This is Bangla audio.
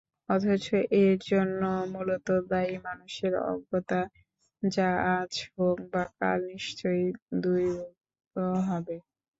অথচ এর জন্য মুলত দায়ী মানুষের অজ্ঞতা, যা আজ হোক বা কাল নিশ্চয়ই দূরীভূত হবে।